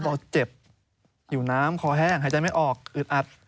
บอกเจ็บหิวน้ำคอแห้งหายใจไม่ออกอึดอัด